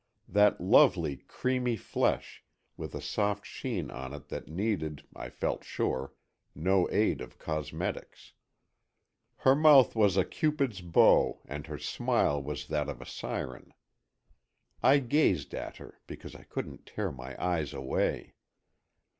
That lovely creamy flesh, with a soft sheen on it that needed, I felt sure, no aid of cosmetics. Her mouth was a Cupid's bow, and her smile was that of a siren. I gazed at her, because I couldn't tear my eyes away.